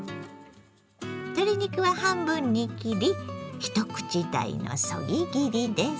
鶏肉は半分に切り一口大のそぎ切りです。